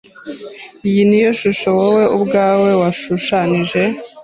Iyi niyo shusho wowe ubwawe washushanyije?